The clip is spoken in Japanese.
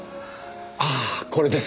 ああこれです！